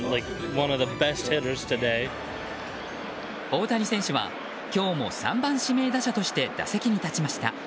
大谷選手は今日も３番指名打者として打席に立ちました。